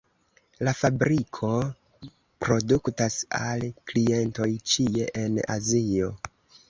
La fabriko produktas al klientoj ĉie en Azio.